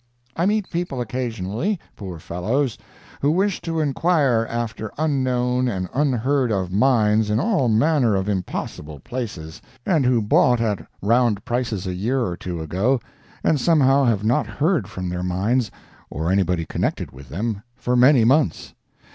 I meet people occasionally, poor fellows, who wish to inquire after unknown and unheard of mines in all manner of impossible places, and who bought at round prices a year or two ago, and somehow have not heard from their mines or anybody connected with them for many months.